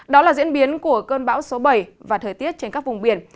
đó là diễn biến của cơn bão số bảy và thời tiết trên các vùng biển